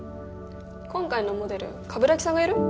今回のモデル鏑木さんがやる？